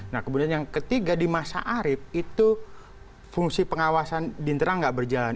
nah kemudian yang ketiga di masa arief itu fungsi pengawasan di internal nggak berjalan